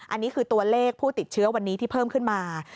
อันนี้คือตัวเลขผู้ติดเชื้อวันนี้ที่เพิ่มขึ้นมา